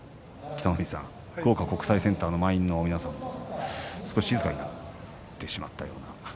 北の富士さん福岡国際センターの満員のお客さんも少し静かになってしまったような。